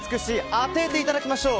当てていただきましょう。